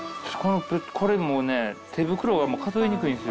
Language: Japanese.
これもうね手袋が数えにくいんすよ。